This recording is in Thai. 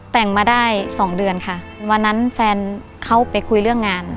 แต่งมาได้สองเดือนค่ะวันนั้นแฟนเขาไปคุยเรื่องงาน